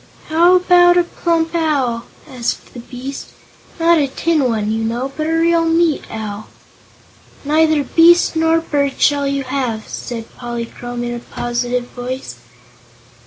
"How about a plump owl?" asked the beast. "Not a tin one, you know, but a real meat owl." "Neither beast nor bird shall you have," said Polychrome in a positive voice.